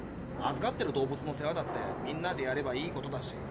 預かってる動物の世話だってみんなでやればいいことだし。